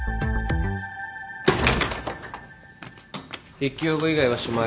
筆記用具以外はしまえ。